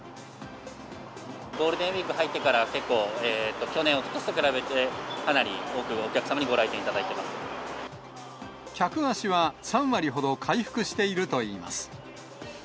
ゴールデンウィーク入ってから結構、去年、おととしと比べてかなり多くお客様にご来店いただ客足は３割ほど回復しているといいます。